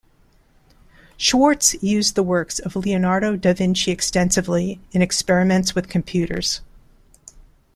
Schwartz used the works of Leonardo da Vinci extensively in experiments with computers.